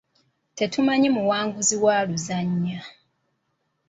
Tetumanyi muwanguzi waluzannya.